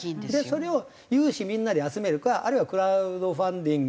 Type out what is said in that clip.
それを有志みんなで集めるかあるいはクラウドファンディング等々にするか。